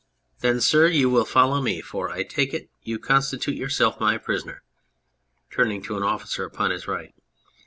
Then, sir, you will follow me, for I take it you constitute yourself my prisoner. (Turning to an officer upon his right.)